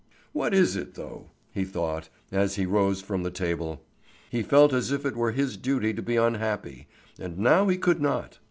"What is it, though?" he thought, as he rose from the table. He felt as if it were his duty to be unhappy, and now he could not.